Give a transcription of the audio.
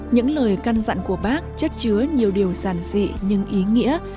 những lời căn dặn của bác chất chứa nhiều điều giản dị nhưng ý nghĩa